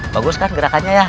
bagus kan gerakannya ya